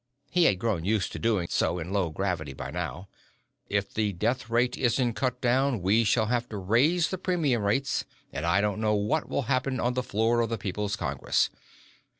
(He had grown used to doing so in low gravity by now.) "If the death rate isn't cut down, we shall have to raise the premium rates, and I don't know what will happen on the floor of the People's Congress.